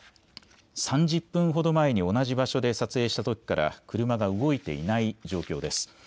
３０分ほど前に同じ場所で撮影したときから車が動いていない状況です。